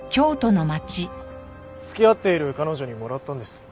付き合っている彼女にもらったんです。